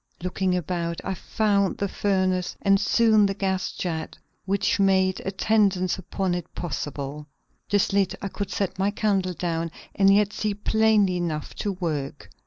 Looking about, I found the furnace and soon the gas jet which made attendance upon it possible. This lit, I could set my candle down, and yet see plainly enough to work.